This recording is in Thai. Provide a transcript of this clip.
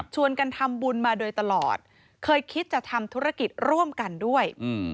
กันทำบุญมาโดยตลอดเคยคิดจะทำธุรกิจร่วมกันด้วย